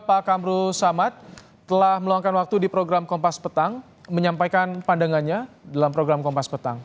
pak kamrul samad telah meluangkan waktu di program kompas petang menyampaikan pandangannya dalam program kompas petang